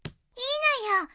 いいのよ。